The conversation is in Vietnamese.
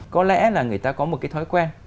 có lẽ là người ta có một cái thói quen